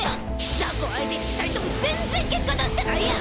雑魚相手に２人とも全然結果出してないやん！